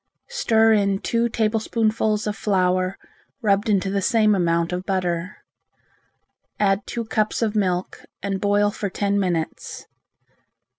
Stir in two tablespoonfuls of flour rubbed into the same amount of butter. Add two cups of milk and boil for ten minutes.